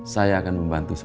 saya akan membantu pak nino